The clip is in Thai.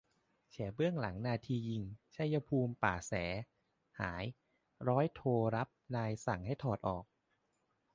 แฉเบื้องหลังนาทียิง "ชัยภูมิ ป่าแส"หาย ร้อยโทรับนายสั่งให้ถอดออก